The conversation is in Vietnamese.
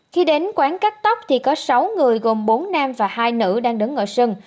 khi đến quán cắt tóc thì có sáu người gồm bốn nam và hai nữ đang đứng ngồi sân